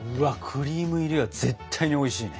クリーム入りは絶対においしいね！